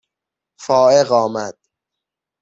فائق آمد